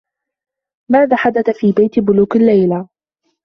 ماذا حدث في بيت بولوك الليلة ؟